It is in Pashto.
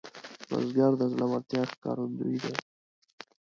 بزګر د زړورتیا ښکارندوی دی